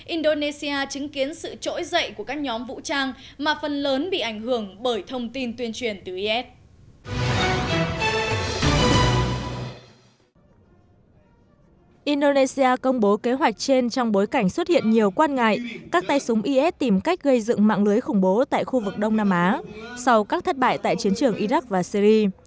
indonesia công bố kế hoạch trên trong bối cảnh xuất hiện nhiều quan ngại các tay súng is tìm cách gây dựng mạng lưới khủng bố tại khu vực đông nam á sau các thất bại tại chiến trường iraq và syri